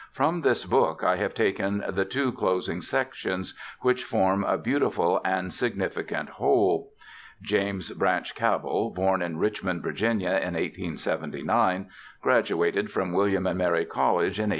From this book I have taken the two closing sections, which form a beautiful and significant whole. James Branch Cabell, born in Richmond, Virginia, in 1879, graduated from William and Mary College in 1898.